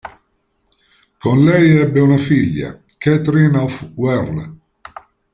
Con lei ebbe una figlia, Catherine of Werle.